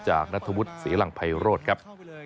จากนัดทะวุฒิศรีหลังไพรโรศครับ